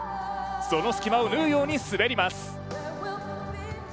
その隙間を縫うように滑ります。